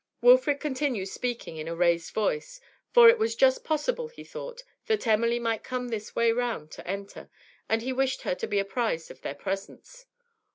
Wilfrid continued speaking in a raised voice, for it was just possible, he thought, that Emily might come this way round to enter, and he wished her to be apprised of their presence.